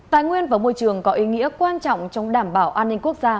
tài nguyên và môi trường có ý nghĩa quan trọng trong đảm bảo an ninh quốc gia